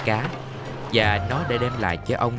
rất nhiều người đang sống tại thị thành